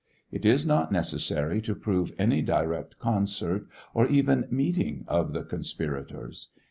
It is not necessary to prove any direct concert or even meeting of the conspirators.